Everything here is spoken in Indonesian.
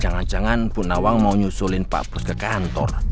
jangan jangan bu nawang mau nyusulin pak bus ke kantor